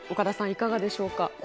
いかがでしょうか？